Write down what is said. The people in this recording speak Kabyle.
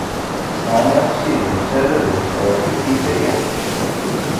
Ɛni Sidi yettarra di ṭṭerf i dayem?